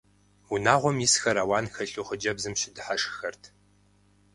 Унагъуэм исхэр ауан хэлъу хъыджэбзым щыдыхьэшххэрт.